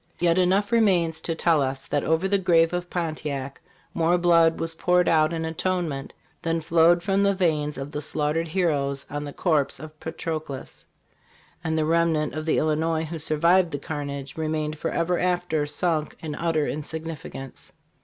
Yet enough remains to tell us that over the grave of Pontiac more blood was poured out in atonement than fLwed from the veins of the slaughtered heroes on the corpse of Patroclus; and the remnant of the Illinois who survived the carnage remained forever after sunk in u ter insignificance."